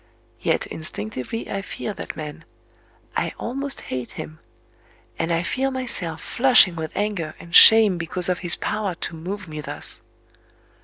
Yet instinctively I fear that man;—I almost hate him; and I feel myself flushing with anger and shame because of his power to move me thus...